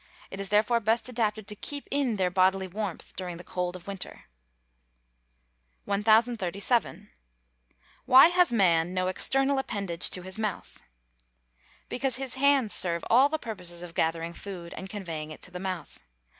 It is therefore best adapted to keep in their bodily warmth during the cold of winter. 1037. Why has man no external appendage to his mouth? Because his hands serve all the purposes of gathering food, and conveying it to the mouth.